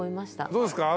どうですか？